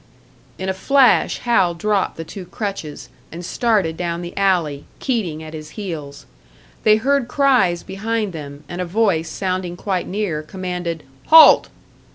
In a flash, Hal dropped the two crutches, and started down the alley, Keating at his heels. They heard cries behind them, and a voice, sounding quite near, commanded, "Halt!"